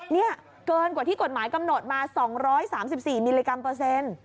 นี่เกินกว่าที่กฎหมายกำหนดมา๒๓๔มิลลิกรัมเปอร์เซ็นต์